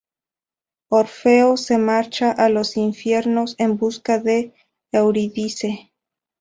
Orfeo se marcha a los infiernos en busca de Eurídice.